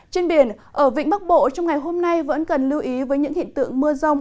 trên biển ở vĩnh bắc bộ trong ngày hôm nay vẫn cần lưu ý với những hiện tượng mưa rông